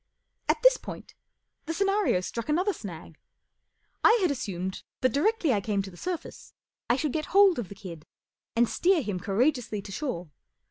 At this point the scenario struck another snag. I had assumed that directly I came to the surface I should get hold of the kid and steer him courageously to shore.